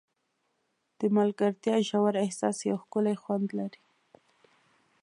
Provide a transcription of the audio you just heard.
د ملګرتیا ژور احساس یو ښکلی خوند لري.